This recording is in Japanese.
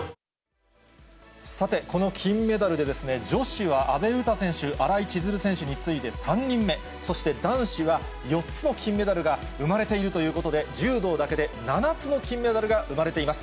さて、この金メダルで、女子は阿部詩選手、新井千鶴選手に次いで３人目、そして男子は、４つの金メダルが生まれているということで、柔道だけで７つの金メダルが生まれています。